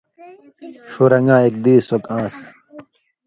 ݜُو رن٘گاں ایک دیس اوک آن٘س۔